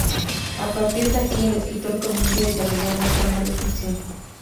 A partir de aquí, el escritor comienza a desarrollar la trama de ficción.